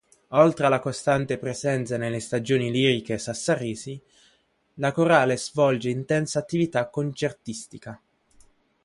Oltre alla costante presenza nelle stagioni liriche sassaresi, la Corale svolge intensa attività concertistica.